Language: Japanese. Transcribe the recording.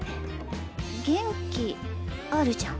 元気あるじゃん。